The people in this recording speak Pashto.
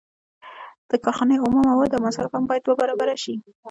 د کارخانې اومه مواد او مصارف هم باید دوه برابره شي